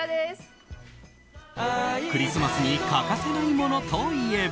クリスマスに欠かせないものといえば。